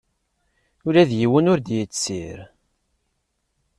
Ula d yiwen ur d-yettir.